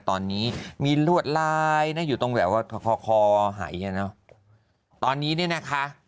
ตอนนี้มีรวดลายนะอยู่ตรงแหลวขอหายเนี้ยเนั้ชตอนนี้นะค้า